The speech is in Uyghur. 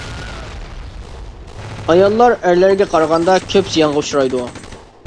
ئاياللار ئەرلەرگە قارىغاندا كۆپ زىيانغا ئۇچرايدۇ.